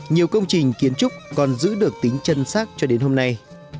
nhiều công trình kiến trúc còn giữ được tính chân sát cho đến hôm nay